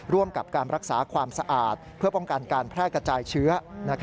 ร่วมกับการรักษาความสะอาดเพื่อป้องกันการแพร่กระจายเชื้อ